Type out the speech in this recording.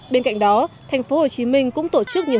bên cạnh đó thành phố hồ chí minh cũng tổ chức nhiều hoạt động